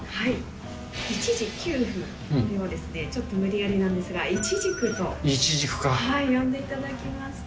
１時９分、これはちょっと無理やりなんですが、いちじくと読んでいただきまして。